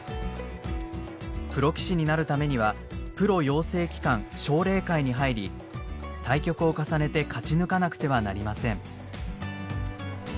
プロ棋士になるためにはプロ養成機関奨励会に入り対局を重ねて勝ち抜かなくてはなりません。